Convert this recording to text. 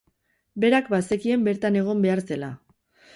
Berak bazekien bertan egon behar zela.